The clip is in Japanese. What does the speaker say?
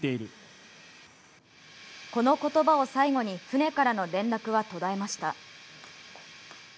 この言葉を最後に船からの連絡は途絶えました。